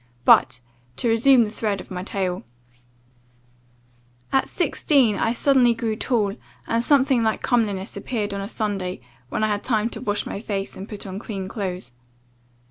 But, to resume the thread of my tale "At sixteen, I suddenly grew tall, and something like comeliness appeared on a Sunday, when I had time to wash my face, and put on clean clothes.